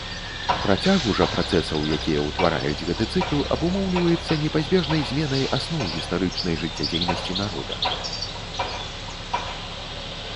Працягу жа працэсаў, якія ўтвараюць гэты цыкл, абумоўліваецца непазбежнай зменай асноў гістарычнай жыццядзейнасці народа.